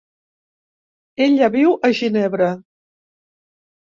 Ella viu a Ginebra.